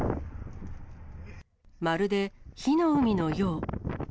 まるで火の海のよう。